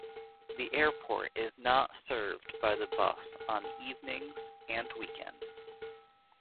The airport is not served by the bus on evenings and weekends.